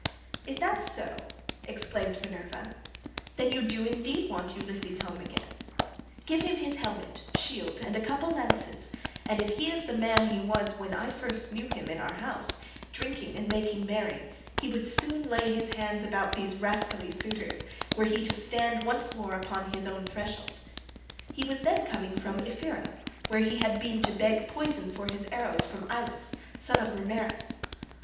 "Is that so?" exclaimed Minerva, "then you do indeed want Ulysses home again. Give him his helmet, shield, and a couple of lances, and if he is the man he was when I first knew him in our house, drinking and making merry, he would soon lay his hands about these rascally suitors, were he to stand once more upon his own threshold. He was then coming from Ephyra, where he had been to beg poison for his arrows from Ilus, son of Mermerus.